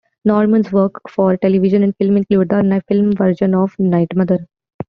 Norman's works for television and film include the film version of "night Mother".